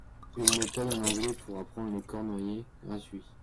une méthode en anglais pour apprendre le cornouaillais, gratuit.